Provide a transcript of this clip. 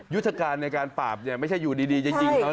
ยุทธการในการปราบเนี่ยไม่ใช่อยู่ดีจะยิงเขา